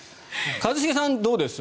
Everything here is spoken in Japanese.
一茂さん、どうです？